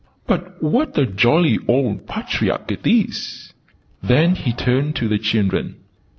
"But what a jolly old patriarch it is!" Then he turned to the children.